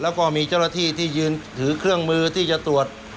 แล้วก็มีเจ้าหน้าที่ที่ยืนถือเครื่องมือที่จะตรวจ